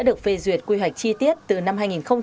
đã được phê duyệt quy hoạch chi tiết từ năm hai nghìn một mươi một